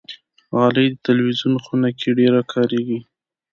غالۍ د تلویزون خونه کې ډېره کاریږي.